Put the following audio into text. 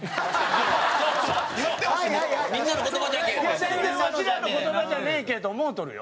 いや全然ワシらの言葉じゃねえけと思うとるよ。